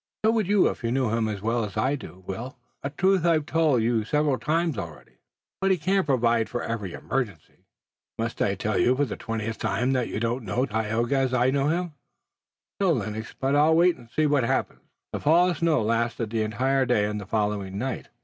"So would you if you knew him as I do, Will, a truth I've told you several times already." "But he can't provide for every emergency!" "Must I tell you for the twentieth time that you don't know Tayoga as I know him?" "No, Lennox, but I'll wait and see what happens." The fall of snow lasted the entire day and the following night.